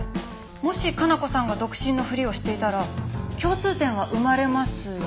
もし加奈子さんが独身のふりをしていたら共通点は生まれますよね？